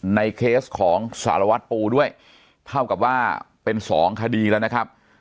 เคสของสารวัตรปูด้วยเท่ากับว่าเป็นสองคดีแล้วนะครับ